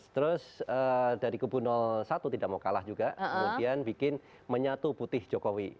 terus dari kubu satu tidak mau kalah juga kemudian bikin menyatu putih jokowi